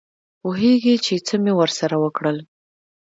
پوهېږې چې څه مې ورسره وکړل.